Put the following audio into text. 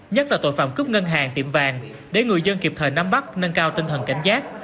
nhất là tội phạm cướp ngân hàng tiệm vàng để người dân kịp thời nắm bắt nâng cao tinh thần cảnh giác